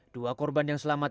dua korban yang selamat